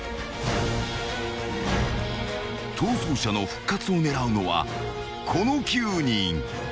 ［逃走者の復活を狙うのはこの９人］